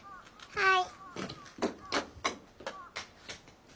はい。